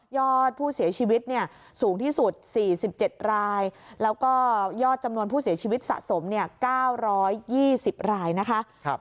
อดผู้เสียชีวิตสูงที่สุด๔๗รายแล้วก็ยอดจำนวนผู้เสียชีวิตสะสม๙๒๐รายนะคะ